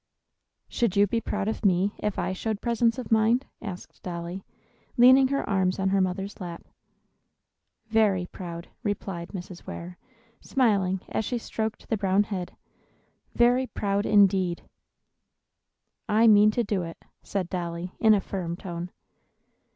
"Should you be proud of me if I showed presence of mind?" asked Dolly, leaning her arms on her mother's lap. "Very proud," replied Mrs. Ware, smiling as she stroked the brown head, "very proud, indeed." "I mean to do it," said Dolly, in a firm tone.